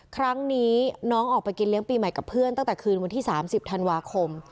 ครั้งนี้น้องออกไปกินเลี้ยงปีใหม่กับเพื่อนตั้งแต่คืนวันที่๓๐ธันวาคม